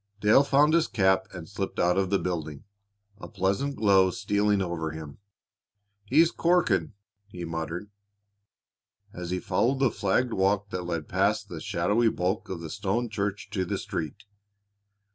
Dale found his cap and slipped out of the building, a pleasant glow stealing over him. "He's corking!" he muttered, as he followed the flagged walk that led past the shadowy bulk of the stone church to the street.